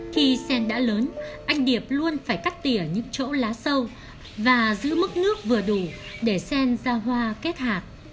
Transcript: khi sen đã lớn anh điệp luôn phải cắt tỉa những chỗ lá sâu và giữ mức nước vừa đủ để sen ra hoa kết hạt